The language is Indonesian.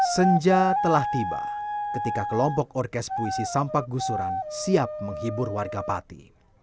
senja telah tiba ketika kelompok orkes puisi sampak gusuran siap menghibur warga pati